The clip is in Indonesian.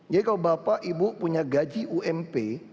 jadi kalau bapak ibu punya gaji ump